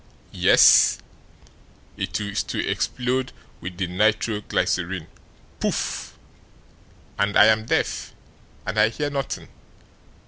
Yes? It is to explode with the nitro glycerin POUF! and I am deaf and I hear nothing.